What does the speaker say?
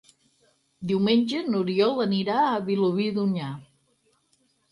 Diumenge n'Oriol anirà a Vilobí d'Onyar.